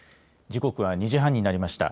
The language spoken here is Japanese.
時刻は２時半になりました。